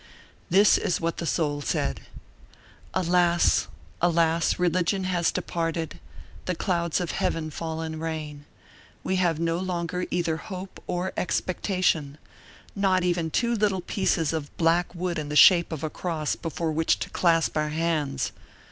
This is what the soul said: "Alas! Alas! religion has departed; the clouds of heaven fall in rain; we have no longer either hope or expectation, not even two little pieces of black wood in the shape of a cross before which to clasp our hands.